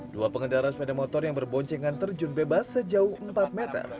dua pengendara sepeda motor yang berboncengan terjun bebas sejauh empat meter